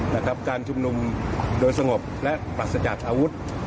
นะครับการชุมนุมโดยสงบและปรัสจัดอาวุธ